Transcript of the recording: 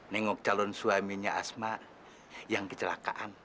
nengok calon suaminya asma yang kecelakaan